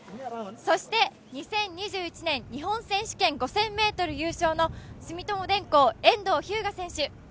そして２０２１年日本選手権５０００ｍ優勝の住友電工・遠藤日向選手。